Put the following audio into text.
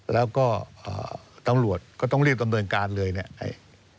แล้วก็ตำรวจก็ต้องรีบดำเนินการเลยเนี่ย